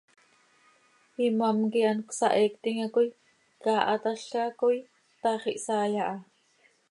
Imám quih hant cohsaheectim ha coi caahatalca coi, taax ihsaai aha.